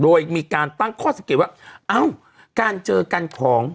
โดยมีการตั้งข้อสังเกตว่าเอ้าการเจอกันของ